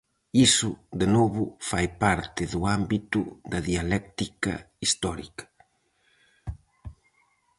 Iso, de novo, fai parte do ámbito da dialéctica histórica.